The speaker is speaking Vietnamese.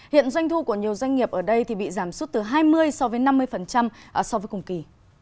hiện doanh thu của nhiều doanh nghiệp ở đây bị giảm suất từ hai mươi so với năm mươi so với cùng kỳ